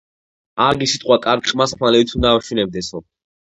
არგი სიტყვა კარგ ყმას ხმალივით უნდა ამშვენებდესო